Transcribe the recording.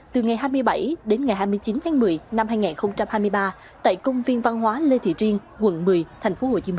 từ ngày hai mươi bảy đến ngày hai mươi chín tháng một mươi năm hai nghìn hai mươi ba tại công viên văn hóa lê thị triêng quận một mươi tp hcm